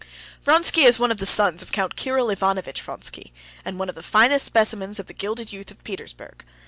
"Vronsky is one of the sons of Count Kirill Ivanovitch Vronsky, and one of the finest specimens of the gilded youth of Petersburg.